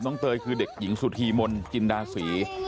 เตยคือเด็กหญิงสุธีมนต์จินดาศรี